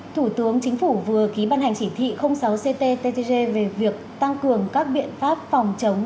thủ tướng chính phủ vừa ký ban hành chỉ thị sáu cttg về việc tăng cường các biện pháp phòng chống